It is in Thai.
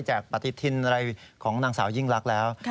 จากปฏิทินอะไรของนางสาวยิ่งรักแล้ว